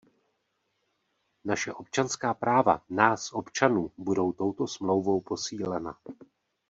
Naše občanská práva nás, občanů, budou touto smlouvou posílena.